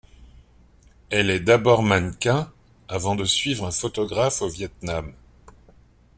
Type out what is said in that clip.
Elle est d'abord mannequin, avant de suivre un photographe au Viêt Nam.